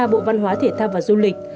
bộ văn hóa thể ta và du lịch